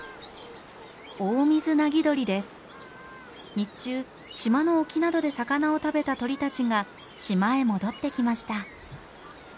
日中島の沖などで魚を食べた鳥たちが島へ戻ってきました。